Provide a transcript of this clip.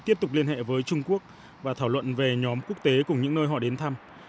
tiếp tục liên hệ với trung quốc và thảo luận về nhóm quốc tế cùng những nơi họ đến thăm